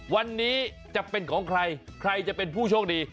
วันนี้จะเป็นของใครใครจะเป็นผู้โชคดี